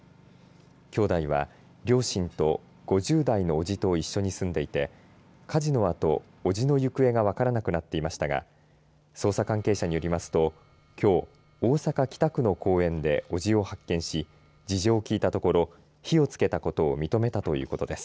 兄弟は両親と５０代の伯父と一緒に住んでいて火事のあと、伯父の行方が分からなくなっていましたが捜査関係者によりますときょう大阪、北区の公園で伯父を発見し事情を聴いたところ火をつけたことを認めたということです。